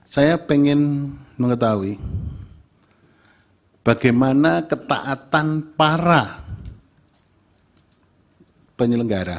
saya ingin mengetahui bagaimana ketaatan para penyelenggara